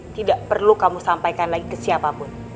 tidak perlu kamu sampaikan lagi ke siapapun